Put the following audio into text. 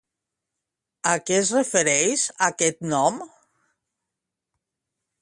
A què es refereix, aquest nom?